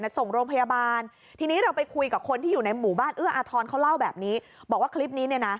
ส่งโรงพยาบาลทีนี้เราไปคุยกับคนที่อยู่ในหมู่บ้านเอื้ออาทรเขาเล่าแบบนี้บอกว่าคลิปนี้เนี่ยนะ